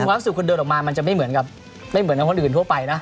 ความสุขคุณเดินออกมามันจะไม่เหมือนกับไม่เหมือนคนอื่นทั่วไปนะ